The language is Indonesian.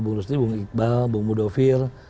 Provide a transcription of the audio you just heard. bung rusty bung iqbal bung mudo fir